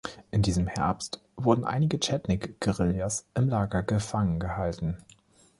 In diesem Herbst wurden einige Chetnik-Guerillas im Lager gefangen gehalten.